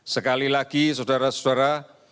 sekali lagi saudara saudara